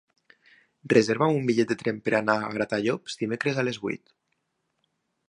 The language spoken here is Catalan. Reserva'm un bitllet de tren per anar a Gratallops dimecres a les vuit.